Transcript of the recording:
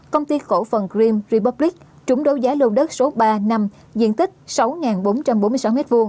công ty khổ phần grimm republic trúng đấu giá lô đất số ba năm diện tích sáu bốn trăm bốn mươi sáu m hai